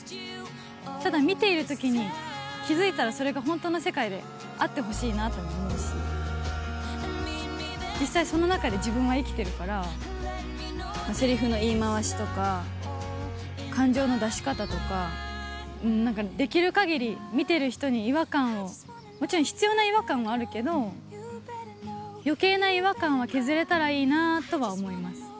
ただ見ているときに、気付いたらそれが本当の世界であってほしいなとも思うし、実際、その中で自分は生きているから、せりふの言い回しとか、感情の出し方とか、なんか、できるかぎり見てる人に違和感を、もちろん、必要な違和感もあるけど、よけいな違和感は削れたらいいなとは思います。